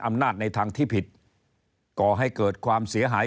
ในทางที่ผิดก่อให้เกิดความเสียหาย